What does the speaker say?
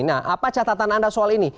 nah apa catatan anda soal ini